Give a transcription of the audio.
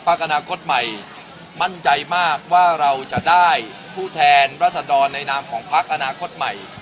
อนาคตใหม่มั่นใจมากว่าเราจะได้ผู้แทนรัศดรในนามของพักอนาคตใหม่